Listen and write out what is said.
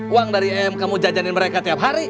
uang dari m kamu jajanin mereka tiap hari